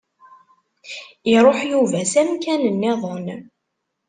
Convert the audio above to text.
Iruḥ Yuba s amkan-nniḍen.